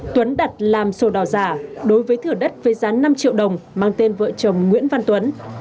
tuấn đặt làm sổ đỏ giả đối với thửa đất với giá năm triệu đồng mang tên vợ chồng nguyễn văn tuấn